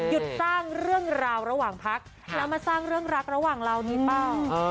สร้างเรื่องราวระหว่างพักแล้วมาสร้างเรื่องรักระหว่างเรานี้เปล่า